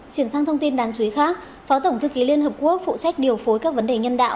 chuyển sang thông tin đáng chú ý khác phó tổng thư ký liên hợp quốc phụ trách điều phối các vấn đề nhân đạo